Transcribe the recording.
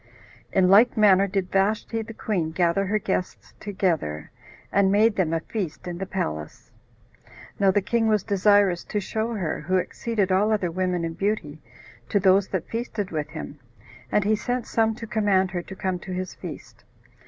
In like manner did Vashti the queen gather her guests together, and made them a feast in the palace. Now the king was desirous to show her, who exceeded all other women in beauty, to those that feasted with him, and he sent some to command her to come to his feast.